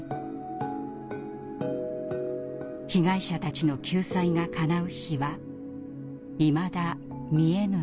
被害者たちの救済がかなう日はいまだ見えぬままです。